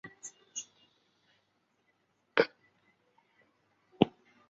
的工作是在处理及的初步听证。